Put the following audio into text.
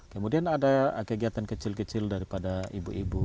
kemudian ada kegiatan kecil kecil daripada ibu ibu